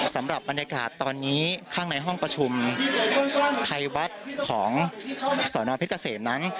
สำหรับบรรยากาศตอนนี้ข้างในห้องประชุมไทยวัดของสอนอเพชรเกษมนั้น